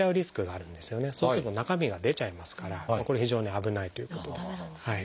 そうすると中身が出ちゃいますからこれ非常に危ないということです。